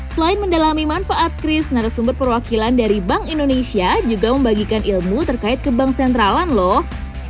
selain mendalami manfaat kris narasumber perwakilan dari bank indonesia juga membagikan ilmu terkait ke bank sentralan loh